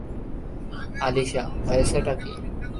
আলিশা, হয়েছেটা কী?